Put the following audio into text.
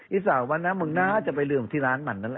อีสานวันนั้นมึงน่าจะไปลืมที่ร้านมันนั่นแหละ